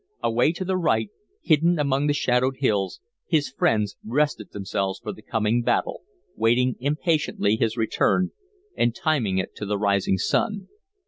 Away to the right, hidden among the shadowed hills, his friends rested themselves for the coming battle, waiting impatiently his return, and timing it to the rising sun.